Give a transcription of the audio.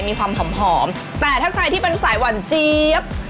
มีความหอมแต่ถ้าใครที่เป็นสายหวานเจี๊ยบ